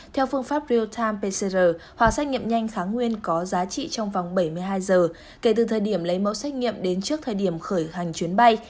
theo phương pháp real time pcr xét nghiệm nhanh kháng nguyên có giá trị trong vòng bảy mươi hai giờ kể từ thời điểm lấy mẫu xét nghiệm đến trước thời điểm khởi hành chuyến bay